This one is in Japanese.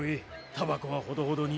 タバコはほどほどに。